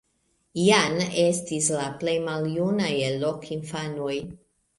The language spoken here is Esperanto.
Jan estis la plej maljuna el ok infanoj.